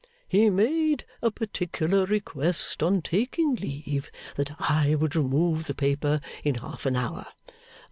He made a particular request, on taking leave, that I would remove the paper in half an hour.